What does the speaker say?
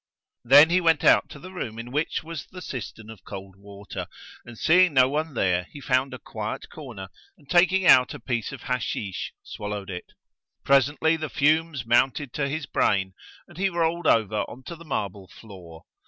Then he went out to the room in which was the cistern of cold water; and seeing no one there, he found a quiet corner and taking out a piece of Hashísh,[FN#107] swallowed it. Presently the fumes mounted to his brain and he rolled over on to the marble floor.